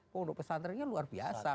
pondok pesantrennya luar biasa